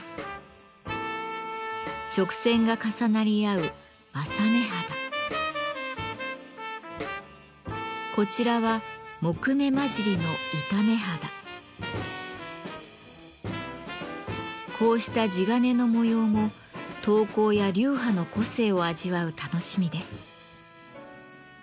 直線が重なり合うこちらはこうした地鉄の模様も刀工や流派の個性を味わう楽しみです。